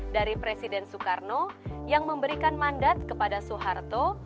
dari presiden soekarno yang memberikan mandat kepada soeharto